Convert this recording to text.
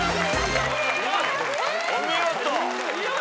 お見事！